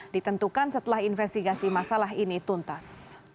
ditentukan setelah investigasi masalah ini tuntas